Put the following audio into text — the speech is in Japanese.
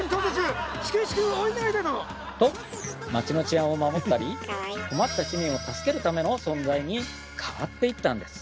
と街の治安を守ったり困った市民を助けるための存在に変わっていったんです。